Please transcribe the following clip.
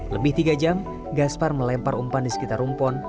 lebih tiga jam gaspar melempar umpan di sekitar rumpon